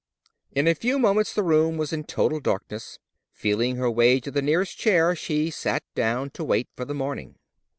In a few moments the room was in total darkness. Feeling her way to the nearest chair, she sat down to wait for the morning.